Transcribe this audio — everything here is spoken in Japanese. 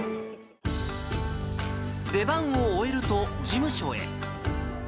出番を終えると事務所へ。